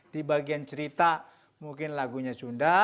di bagian cerita mungkin lagunya sunda